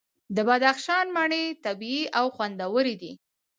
د بدخشان مڼې طبیعي او خوندورې دي.